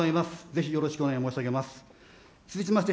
ぜひよろしくお願い申し上げます。